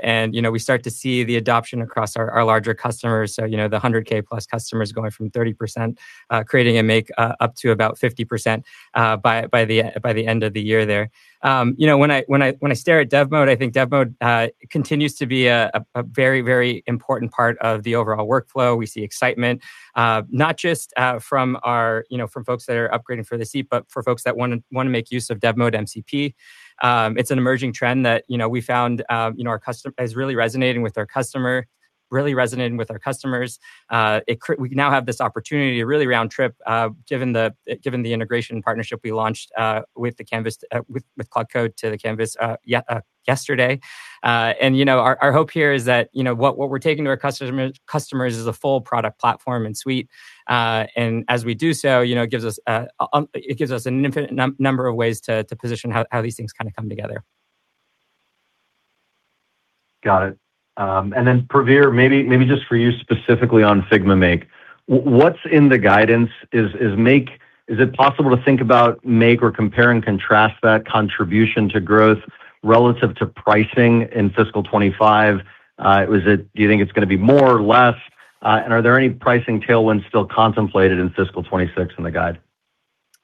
S4: and, you know, we start to see the adoption across our larger customers. You know, the $100,000+ customers going from 30% creating a Make up to about 50% by the end of the year there. You know, when I stare at Dev Mode, I think Dev Mode continues to be a very, very important part of the overall workflow. We see excitement, not just from our, you know, from folks that are upgrading for the seat, but for folks that wanna, wanna make use of Dev Mode MCP. It's an emerging trend that, you know, we found, you know, our customer... is really resonating with our customer—really resonating with our customers. It cr-- we now have this opportunity to really round-trip, given the, given the integration partnership we launched with the Canvas, with, with Claude Code to the Canvas, yesterday. You know, our hope here is that, you know, what, what we're taking to our customer, customers is a full product platform and suite. And as we do so, you know, it gives us an infinite number of ways to position how these things kinda come together.
S12: Got it. Maybe, Praveer, just for you specifically on Figma Make. What's in the guidance? Is Make—is it possible to think about Make or compare and contrast that contribution to growth relative to pricing in fiscal 25? Was it... Do you think it's gonna be more or less? And are there any pricing tailwinds still contemplated in fiscal 26 in the guide?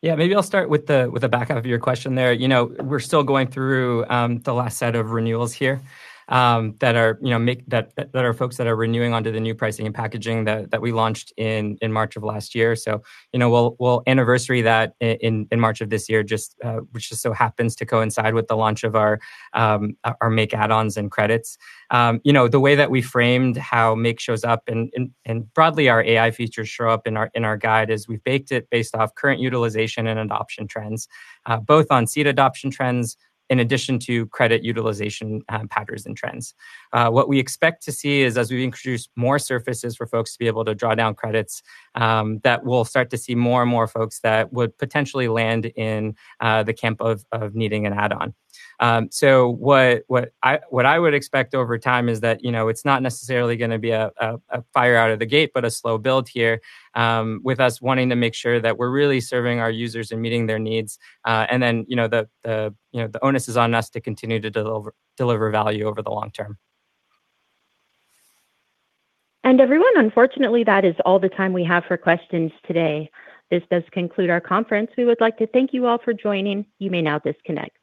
S4: Yeah, maybe I'll start with the back end of your question there. You know, we're still going through the last set of renewals here that are, you know, Make, that that are folks that are renewing onto the new pricing and packaging that that we launched in in March of last year. So, you know, we'll we'll anniversary that in in March of this year, just which just so happens to coincide with the launch of our our our Make add-ons and credits. You know, the way that we framed how Make shows up and and and broadly, our AI features show up in our in our guide, is we've baked it based off current utilization and adoption trends both on seed adoption trends in addition to credit utilization patterns and trends. What we expect to see is as we introduce more surfaces for folks to be able to draw down credits, that we'll start to see more and more folks that would potentially land in the camp of needing an add-on. So what I would expect over time is that, you know, it's not necessarily gonna be a fire out of the gate, but a slow build here, with us wanting to make sure that we're really serving our users and meeting their needs. And then, you know, the onus is on us to continue to deliver value over the long term.
S1: Everyone, unfortunately, that is all the time we have for questions today. This does conclude our conference. We would like to thank you all for joining. You may now disconnect.